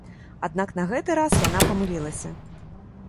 Аднак на гэты раз яна памылілася.